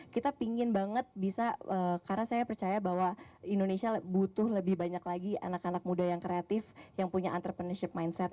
kita pingin banget bisa karena saya percaya bahwa indonesia butuh lebih banyak lagi anak anak muda yang kreatif yang punya entrepreneurship mindset